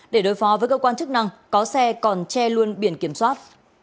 để đối phó với cơ quan chức năng có xe còn che luôn biển kiểm soát